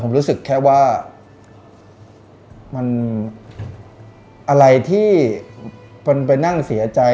ผมรู้สึกแค่ว่ามันอะไรที่มันไปนั่งเสียใจ